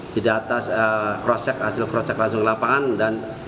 di data cross check hasil cross check langsung lapangan